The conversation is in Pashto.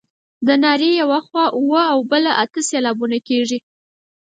د نارې یوه خوا اووه او بله اته سېلابه کیږي.